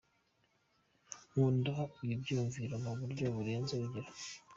Nkunda ibi byiyumviro mu buryo burenze urugero.